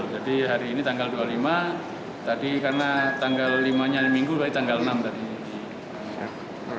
jadi hari ini tanggal dua puluh lima tadi karena tanggal lima nya minggu hari tanggal enam tadi